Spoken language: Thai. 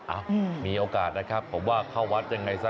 อ้าวมีโอกาสนะครับผมว่าเข้าวัดอย่างไรซะ